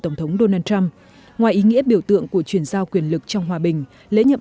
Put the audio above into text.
tổng thống donald trump ngoài ý nghĩa biểu tượng của chuyển giao quyền lực trong hòa bình lễ nhậm